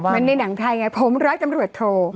เหมือนในหนังไทยไงผมรักจำรวจโทร